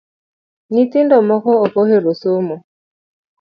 Nyithindo moko ok ohero somo